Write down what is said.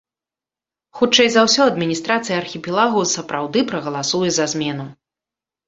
Хутчэй за ўсё, адміністрацыя архіпелагу сапраўды прагаласуе за змену.